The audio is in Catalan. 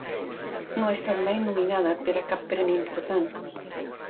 No ha estat mai nominada per a cap premi important.